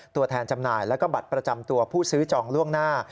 ตัวแทนจำหน่ายแล้วก็บัตรประจำตัวผู้ซื้อจองล่วงหน้า